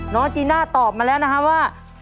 จีน่าตอบมาแล้วนะฮะว่า